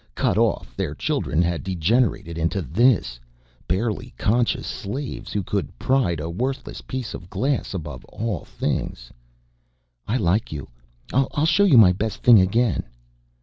Cut off, their children had degenerated into this, barely conscious slaves, who could pride a worthless piece of glass above all things. "I like you. I'll show you my best thing again."